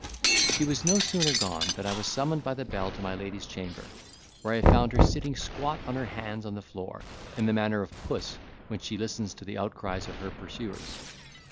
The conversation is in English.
She was no sooner gone than I was summoned by the bell to my lady's chamber, where I found her sitting squat on her hands on the floor, in the manner of puss when she listens to the outcries of her pursuers.